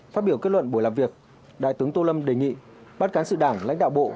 phát biểu kết luận buổi làm việc đại tướng tô lâm đề nghị ban cán sự đảng lãnh đạo bộ